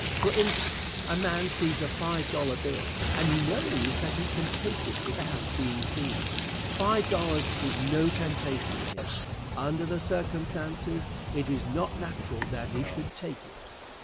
For instance, a man sees a five dollar bill, and he knows that he can take it without being seen. Five dollars is no temptation to him. Under the circumstances it is not natural that he should take it.